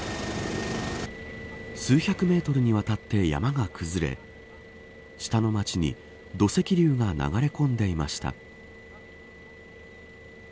数百メートルにわたって山が崩れ下の街に土石流が流れ込んでいました。